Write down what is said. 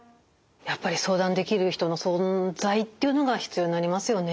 やっぱり相談できる人の存在っていうのが必要になりますよね。